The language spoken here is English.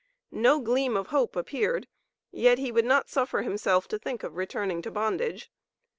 No gleam of hope appeared, yet he would not suffer himself to think of returning to bondage.